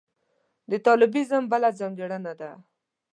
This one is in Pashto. د طالبانیزم بله ځانګړنه ده.